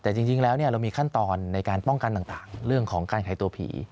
แต่จริงแล้วเรามีขั้นตอนในการป้องกันต่างเรื่องของการขายตัวผี